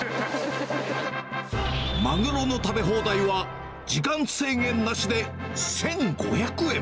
マグロの食べ放題は、時間制限なしで１５００円。